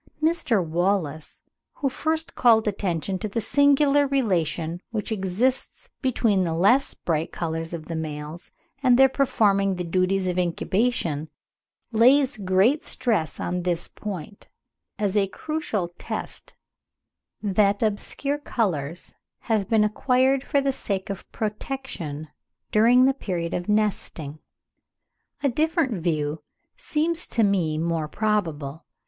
Mr. Wallace, who first called attention to the singular relation which exists between the less bright colours of the males and their performing the duties of incubation, lays great stress on this point (13. 'Westminster Review,' July 1867, and A. Murray, 'Journal of Travel,' 1868, p. 83.), as a crucial test that obscure colours have been acquired for the sake of protection during the period of nesting. A different view seems to me more probable.